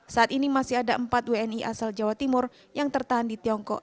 saat ini masih ada empat wni asal jawa timur yang tertahan di tiongkok